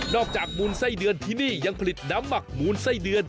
จากมูลไส้เดือนที่นี่ยังผลิตน้ำหมักมูลไส้เดือน